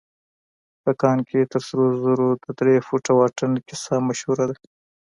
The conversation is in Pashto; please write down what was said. په کان کې تر سرو زرو د درې فوټه واټن کيسه مشهوره ده.